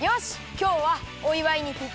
きょうはおいわいにぴったり！